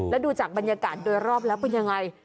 แล้วดูจากบรรยากาศโดยรอบแล้วเป็นยังไง